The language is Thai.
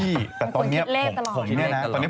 มันควรคิดเลขตลอด